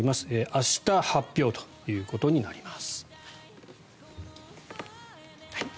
明日、発表ということになります。